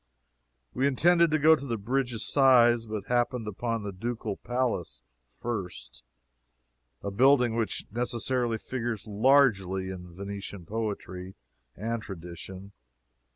We intended to go to the Bridge of Sighs, but happened into the Ducal Palace first a building which necessarily figures largely in Venetian poetry and tradition.